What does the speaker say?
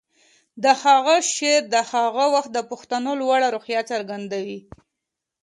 د هغه شعر د هغه وخت د پښتنو لوړه روحیه څرګندوي